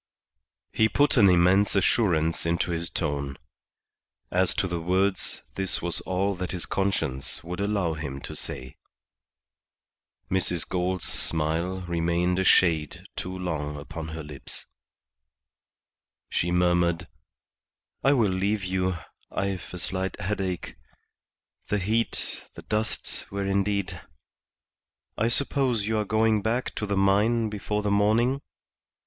He put an immense assurance into his tone. As to the words, this was all that his conscience would allow him to say. Mrs. Gould's smile remained a shade too long upon her lips. She murmured "I will leave you; I've a slight headache. The heat, the dust, were indeed I suppose you are going back to the mine before the morning?"